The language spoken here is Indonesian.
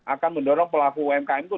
akan mendorong pelaku umkm itu